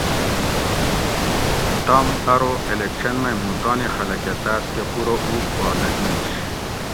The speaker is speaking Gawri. تم ارو الیکشن مئ مُوں تانی خلک اۤ تاۤس کہ پورہ اُوٹ پا نہ دِیش